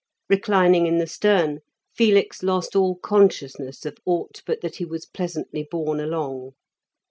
Reclining in the stern, Felix lost all consciousness of aught but that he was pleasantly borne along.